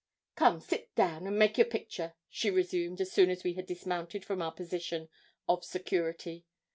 'Come, sit down now, an' make your picture,' she resumed so soon as we had dismounted from our position of security.